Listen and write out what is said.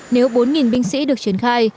nếu bốn binh sĩ được triển khai